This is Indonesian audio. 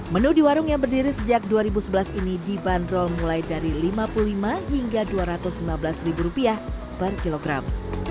menu di warung yang berdiri sejak dua ribu sebelas ini dibanderol mulai dari rp lima puluh lima hingga rp dua ratus lima belas per kilogram